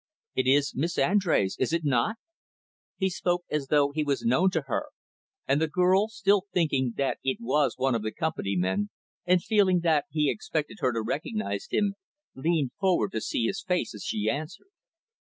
"It is Miss Andrés, is it not?" He spoke as though he was known to her; and the girl still thinking that it was one of the Company men, and feeling that he expected her to recognize him leaned forward to see his face, as she answered.